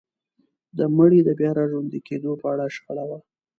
د مړي د بيا راژوندي کيدو په اړه شخړه وه.